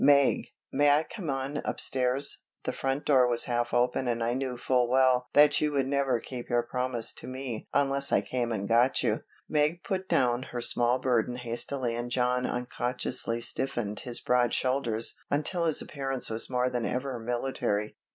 "Meg, may I come on upstairs, the front door was half open and I knew full well that you would never keep your promise to me unless I came and got you." Meg put down her small burden hastily and John unconsciously stiffened his broad shoulders until his appearance was more than ever military.